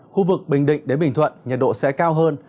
khu vực bình định đến bình thuận nhiệt độ sẽ cao hơn